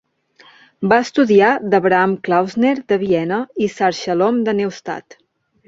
Va estudiar d'Abraham Klausner de Viena i Sar Shalom de "Neustadt".